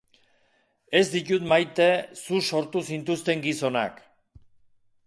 Ez ditut maite zu sortu zintuzten gizonak.